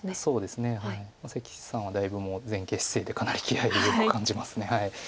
関さんはだいぶもう前傾姿勢でかなり気合いを感じます。